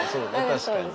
確かに。